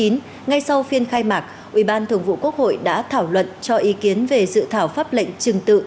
ngay sau phiên khai mạc ủy ban thường vụ quốc hội đã thảo luận cho ý kiến về dự thảo pháp lệnh trừng tự